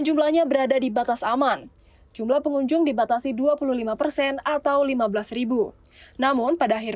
jumlahnya berada di batas aman jumlah pengunjung dibatasi dua puluh lima persen atau lima belas namun pada akhir